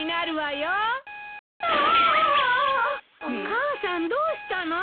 母さんどうしたの？